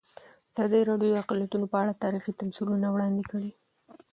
ازادي راډیو د اقلیتونه په اړه تاریخي تمثیلونه وړاندې کړي.